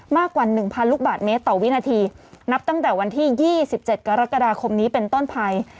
มากกว่า๑๐๐ลูกบาทเมตรต่อวินาทีนับตั้งแต่วันที่๒๗กรกฎาคมนี้เป็นต้นภัย